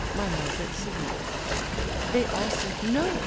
BY MARGARET SIDNEY. They all said "No!"